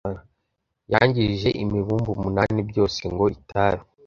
yangije imibumbe umunani byose ngo itabi